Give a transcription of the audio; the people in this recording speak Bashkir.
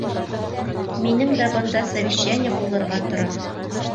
Минең дә бында совещание булырға тора.